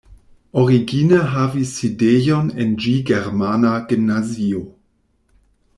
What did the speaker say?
Origine havis sidejon en ĝi germana gimnazio.